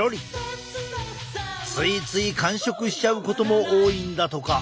ついつい間食しちゃうことも多いんだとか。